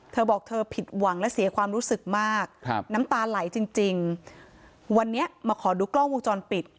เธอบอกเธอผิดหวังและเสียความรู้สึกมากครับน้ำตาไหลจริงจริงวันนี้มาขอดูกล้องวงจรปิด